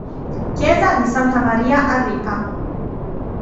Chiesa di Santa Maria a Ripa